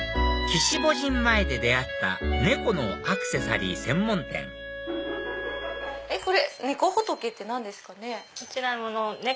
鬼子母神前で出会った猫のアクセサリー専門店これネコホトケって何ですかね？